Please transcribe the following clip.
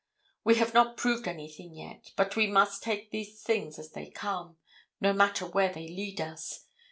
We have not proved anything yet, but we must take things as they come, no matter where they lead us.